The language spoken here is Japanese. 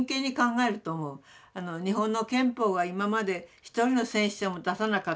日本の憲法が今まで一人の戦死者も出さなかった。